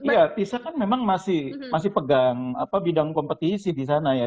iya tisa kan memang masih pegang bidang kompetisi di sana ya